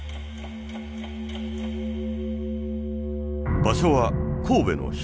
場所は神戸の東側。